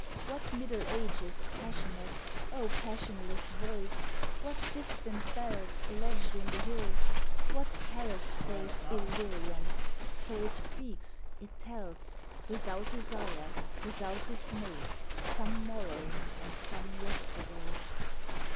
What Middle Ages passionate, O passionless voice! What distant bells Lodged in the hills, what palace state Illyrian! For it speaks, it tells, Without desire, without dismay, Some morrow and some yesterday.